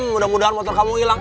mudah mudahan motor kamu hilang